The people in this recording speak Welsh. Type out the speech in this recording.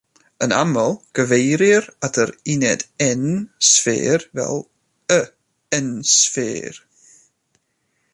Yn aml cyfeirir at yr uned "n"-sffêr fel "y" "n"-sffêr.